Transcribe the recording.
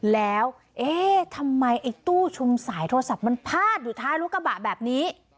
แล้วเอ๊ะทำไมไอ้ตู้ชุมสายโทรศัพท์มันพาดอยู่ท้ายรถกระบะแบบนี้